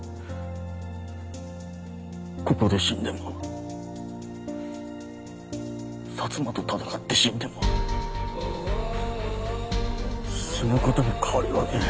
ここで死んでも摩と戦って死んでも死ぬことに変わりはねえ。